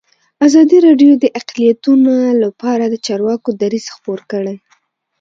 ازادي راډیو د اقلیتونه لپاره د چارواکو دریځ خپور کړی.